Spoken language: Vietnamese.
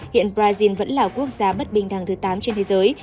hiện brazil vẫn là quốc gia bất bình đẳng thứ tám trên thế giới